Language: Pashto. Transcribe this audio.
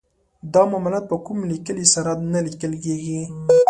دا معاملات په کوم لیکلي سند نه لیکل کیږي.